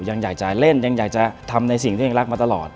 ยังอยากจะเล่นยังอยากจะทำในสิ่งที่ยังรักมาตลอด